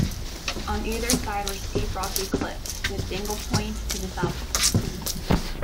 On either side were steep rocky cliffs, with Dingle Point to the south west.